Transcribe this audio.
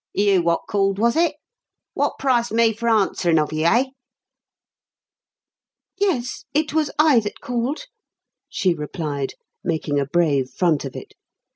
"You wot called, was it? Wot price me for arnswerin' of you, eh?" "Yes, it was I that called," she replied, making a brave front of it.